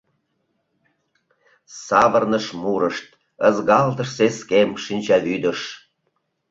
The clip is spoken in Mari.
Савырныш мурышт, ызгалтыш сескем-шинчавӱдыш